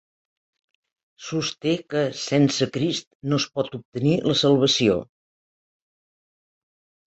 Sosté que, sense Crist, no es pot obtenir la salvació.